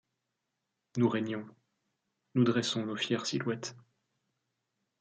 Nous régnons ; nous dressons nos fières silhouettes